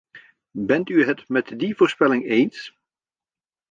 Bent u het met die voorspelling eens?